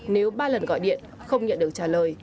nếu ba lần gọi điện không nhận được trả lời